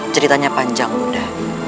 ceritanya panjang bunda